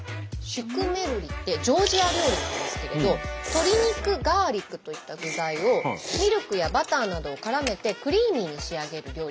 シュクメルリってジョージア料理なんですけれど鶏肉ガーリックといった具材をミルクやバターなどをからめてクリーミーに仕上げる料理。